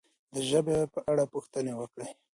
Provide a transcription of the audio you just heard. د ژبې په اړه پوښتنې وکړئ.